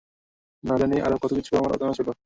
না জানি আরও কতকিছু আমার অজানা ছিল?